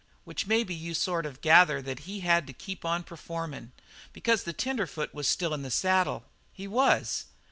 Which maybe you sort of gather that he had to keep on performin', because the tenderfoot was still in the saddle. He was.